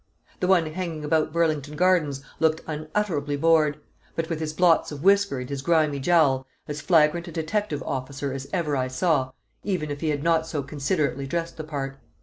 The one hanging about Burlington Gardens looked unutterably bored, but with his blots of whisker and his grimy jowl, as flagrant a detective officer as ever I saw, even if he had not so considerately dressed the part.